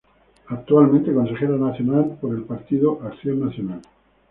Actualmente Consejera Nacional por el Partido Acción Nacional.